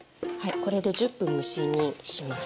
これで１０分蒸し煮します。